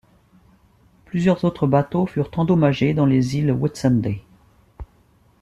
Plusieurs autres bateaux furent endommagés dans les Îles Whitsunday.